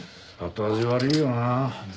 後味悪いよな。